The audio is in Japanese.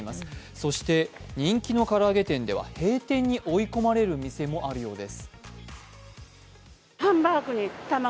そして、人気の唐揚げ店では閉店に追い込まれる店もあるそうです。